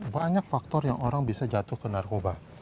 banyak faktor yang orang bisa jatuh ke narkoba